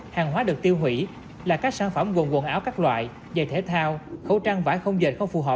hàng hóa được tiêu hủy là các sản phẩm gồm quần áo các loại giày thể thao khẩu trang vải không dệt không phù hợp